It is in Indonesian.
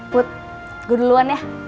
put gue duluan ya